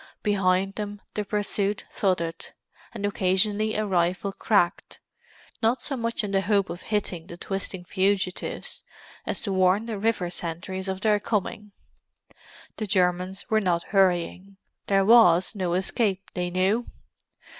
Behind them the pursuit thudded, and occasionally a rifle cracked; not so much in the hope of hitting the twisting fugitives, as to warn the river sentries of their coming. The Germans were not hurrying; there was no escape, they knew!